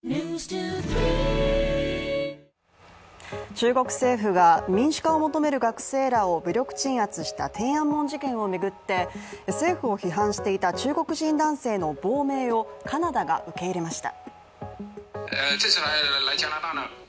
中国政府が民主化を求める学生らを武力鎮圧した天安門事件を巡って政府を批判していた中国人男性の亡命をカナダが受け入れました